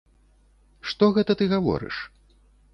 Што гэта ты гаворыш?